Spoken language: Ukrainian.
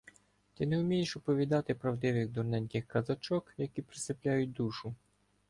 Ти не умієш оповідати правдивих дурненьких казочок, які присипляють душу.